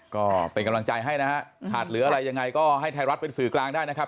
ก็เป็นกำลังใจให้นะฮะขาดเหลืออะไรยังไงก็ให้ไทยรัฐเป็นสื่อกลางได้นะครับ